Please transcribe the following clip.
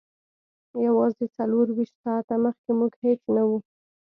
یوازې څلور ویشت ساعته مخکې موږ هیڅ نه وو